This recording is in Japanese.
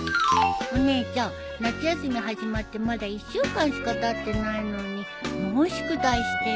お姉ちゃん夏休み始まってまだ一週間しかたってないのにもう宿題してるの？